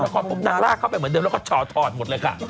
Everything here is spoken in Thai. เฮ้ยจนก่อนนางรากเข้าไปเหมือนเดิมแล้วก็ช๋อถอดหมดเลยค่ะ